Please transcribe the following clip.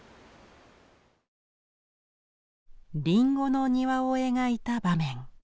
林檎の庭を描いた場面。